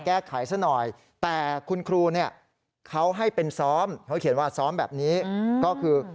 แก้ไขซะหน่อยแต่คุณครูเนี่ยเขาให้เป็นซ้อมเขาเขียนว่าซ้อมแบบนี้ก็คือ